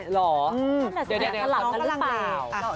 เหรอเดี๋ยวสลับกันหรือเปล่า